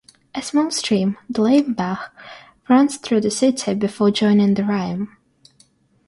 A small stream, the Leimbach, runs through the city before joining the Rhine.